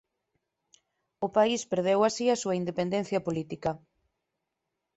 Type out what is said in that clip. O país perdeu así a súa independencia política